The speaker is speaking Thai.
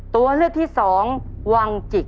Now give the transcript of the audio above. ตัวเลือกที่สองวังจิก